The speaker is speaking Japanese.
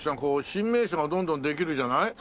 新名所がどんどんできるじゃない？